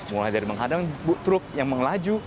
mulai dari menghadang truk yang mengelaju